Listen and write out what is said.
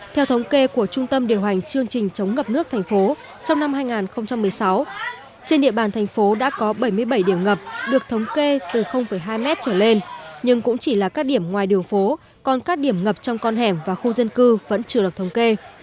theo thống kê của trung tâm điều hành chương trình chống ngập nước thành phố trong năm hai nghìn một mươi sáu trên địa bàn thành phố đã có bảy mươi bảy điểm ngập được thống kê từ hai m trở lên nhưng cũng chỉ là các điểm ngoài đường phố còn các điểm ngập trong con hẻm và khu dân cư vẫn chưa được thống kê